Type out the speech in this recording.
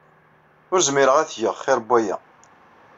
Ur zmireɣ ad t-geɣ xir n waya.